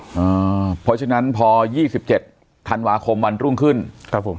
เพราะฉะนั้นพอยี่สิบเจ็ดธันวาคมวันรุ่งขึ้นครับผม